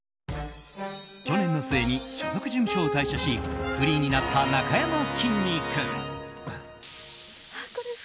去年の末に所属事務所を退社しフリーになったなかやまきんに君。